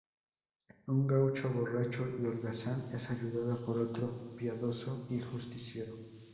Un gaucho borracho y holgazán es ayudado por otro, piadoso y justiciero.